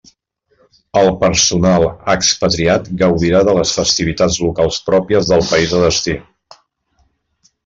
El personal expatriat gaudirà de les festivitats locals pròpies del país de destí.